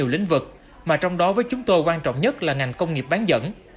lĩnh vực mà trong đó với chúng tôi quan trọng nhất là ngành công nghiệp bán dẫn